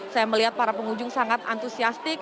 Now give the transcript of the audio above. saya melihat para pengunjung sangat antusiastik